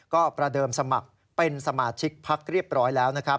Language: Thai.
ก็ประเดิมสมัครเป็นสมาชิกภาคเรียบร้อยแล้ว